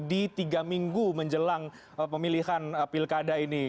di tiga minggu menjelang pemilihan pilkada ini